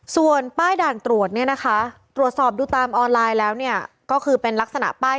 ส่วนป้ายด่านตรวจเนี่ยนะคะตรวจสอบดูตามออนไลน์แล้วเนี่ยก็คือเป็นลักษณะป้าย